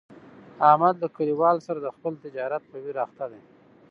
احمد له کلیوالو سره د خپل تجارت په ویر اخته دی.